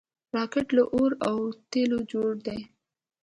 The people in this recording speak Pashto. راکټ له اور او تیلو جوړ دی